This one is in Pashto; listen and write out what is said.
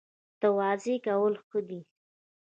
تواضع کول ښه دي